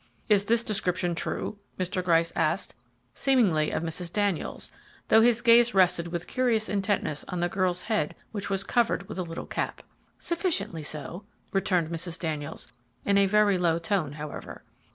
"Is this description true?" Mr. Gryce asked, seemingly of Mrs. Daniels, though his gaze rested with curious intentness on the girl's head which was covered with a little cap. "Sufficiently so," returned Mrs. Daniels in a very low tone, however.